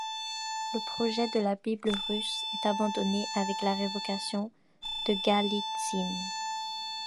Le projet de la Bible russe est abandonné avec la révocation de Galitzine.